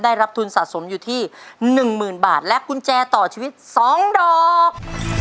ได้รับทุนสะสมอยู่ที่๑๐๐๐บาทและกุญแจต่อชีวิต๒ดอก